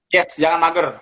yes jangan mager